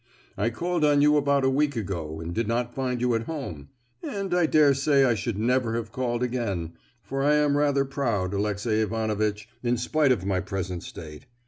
I called on you about a week ago, and did not find you at home, and I daresay I should never have called again; for I am rather proud—Alexey Ivanovitch—in spite of my present state.